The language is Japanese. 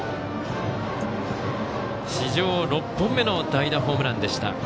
史上６本目の代打ホームランでした。